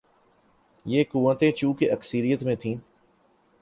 یہ قوتیں چونکہ اکثریت میں تھیں۔